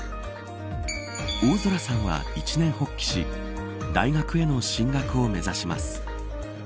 大空さんは一念発起し大学への進学を目指します。